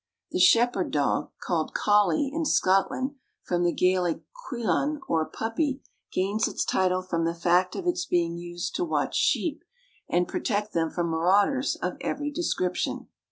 The shepherd dog called collie in Scotland, from the Gaelic cuilan or puppy gains its title from the fact of its being used to watch sheep, and protect them from marauders of every description.